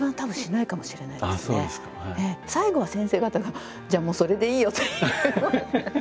最後は先生方が「じゃあもうそれでいいよ」って。